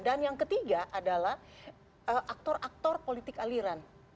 dan yang ketiga adalah aktor aktor politik aliran